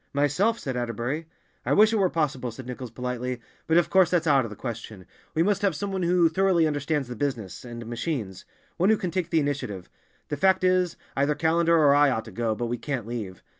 "Myself," said Atterbury. "I wish it were possible," said Nichols politely. "But of course that's out of the question. We must have some one who thoroughly understands the business, and the machines—one who can take the initiative. The fact is, either Callender or I ought to go, but we can't leave.